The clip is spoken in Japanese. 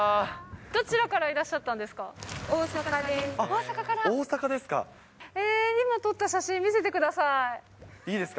どちらからいらっしゃったん大阪です。